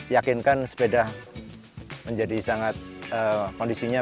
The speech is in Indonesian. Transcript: yakinkan sepeda menjadi sangat kondisinya